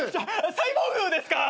サイボーグですか？